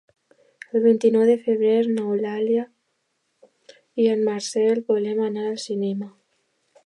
El vint-i-nou de febrer n'Eulàlia i en Marcel volen anar al cinema.